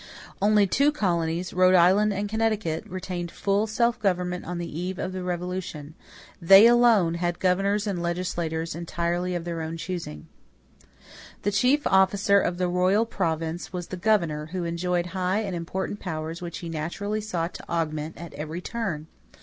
Only two colonies, Rhode Island and Connecticut, retained full self government on the eve of the Revolution. They alone had governors and legislatures entirely of their own choosing. The chief officer of the royal province was the governor, who enjoyed high and important powers which he naturally sought to augment at every turn.